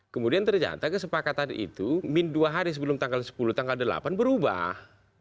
kemudian ternyata kesepakatan itu dua hari sebelum tanggal sepuluh tanggal delapan berubah